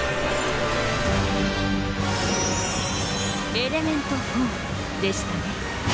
エレメント４でしたね？